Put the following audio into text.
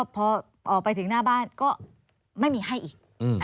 พอออกไปถึงหน้าบ้านก็ไม่มีให้อีก